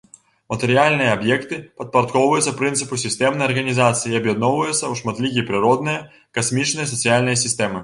Матэрыяльныя аб'екты падпарадкоўваюцца прынцыпу сістэмнай арганізацыі і аб'ядноўваюцца ў шматлікія прыродныя, касмічныя, сацыяльныя сістэмы.